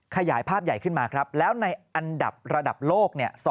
ขยายภาพใหญ่ขึ้นมาครับแล้วในอันดับระดับโลก